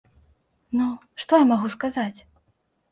Ну, што я магу сказаць?!